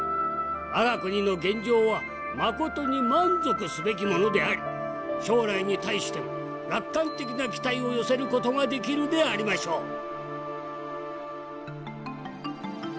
我が国の現状はまことに満足すべきものであり将来に対しても楽観的な期待を寄せる事ができるでありましょう」。